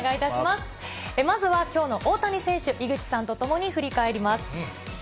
まずはきょうの大谷選手、井口さんと共に振り返ります。